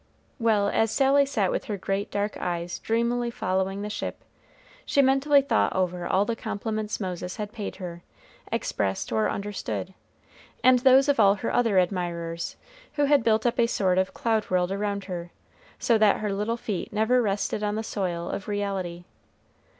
Well, as Sally sat with her great dark eyes dreamily following the ship, she mentally thought over all the compliments Moses had paid her, expressed or understood, and those of all her other admirers, who had built up a sort of cloud world around her, so that her little feet never rested on the soil of reality.